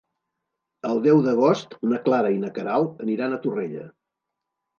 El deu d'agost na Clara i na Queralt aniran a Torrella.